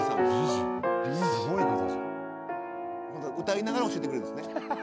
「歌いながら教えてくれるんですね？」